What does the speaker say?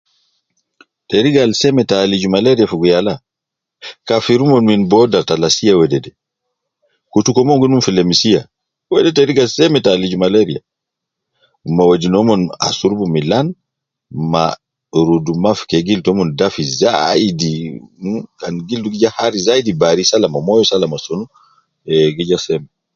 Teriga al seme ta aliju malaria fogo yala, kafir umon min booda ta lasiya wedede kutu ke umon gi numu fi lemsiya. Wede teriga seme ta aliju malaria ma wedi naumon asurubu milan ma rudu maafi kede gildu taumon dafi zaidi, uh, kan gildu gi ja hari zaidi bari sala ma moyo sala ma sunu eh gi ja seme.